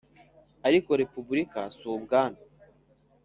ariko repubulika si ubwami,